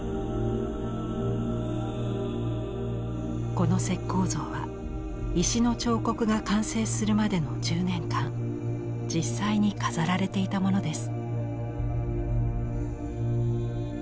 この石こう像は石の彫刻が完成するまでの１０年間実際に飾られていたものです。